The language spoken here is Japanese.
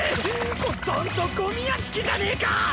ほとんどゴミ屋敷じゃねぇか！